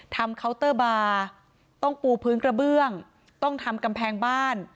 เคาน์เตอร์บาร์ต้องปูพื้นกระเบื้องต้องทำกำแพงบ้าน